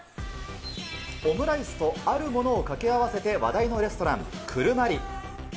オムライスとあるものをかけ合わせて話題のレストラン、クルマリ。